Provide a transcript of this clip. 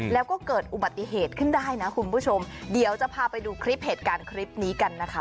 แล้วก็เกิดอุบัติเหตุขึ้นได้นะคุณผู้ชมเดี๋ยวจะพาไปดูคลิปเหตุการณ์คลิปนี้กันนะคะ